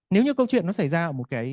nếu như câu chuyện nó xảy ra ở một cái